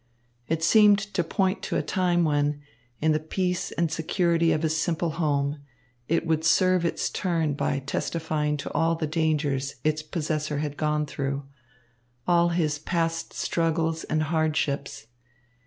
It seemed to point to a time when, in the peace and security of his simple home, it would serve its turn by testifying to all the dangers its possessor had gone through, all his past struggles and hardships.